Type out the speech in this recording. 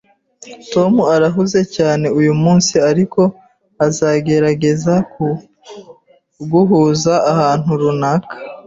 Tom arahuze cyane uyumunsi, ariko azagerageza kuguhuza ahantu runaka.